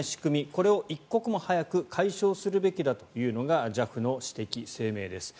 これを一刻も早く解消するべきだというのがＪＡＦの指摘、声明です。